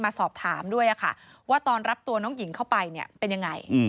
สอบถามด้วยค่ะว่าตอนรับตัวน้องหญิงเข้าไปเนี่ยเป็นยังไง